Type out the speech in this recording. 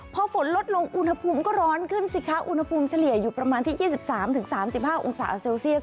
พอฝนลดลงอุณหภูมิก็ร้อนขึ้นสิคะอุณหภูมิเฉลี่ยอยู่ประมาณที่ยี่สิบสามถึงสามสิบห้าองศาเซลเซียส